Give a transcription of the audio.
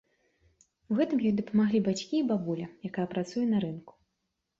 У гэтым ёй дапамаглі бацькі і бабуля, якая працуе на рынку.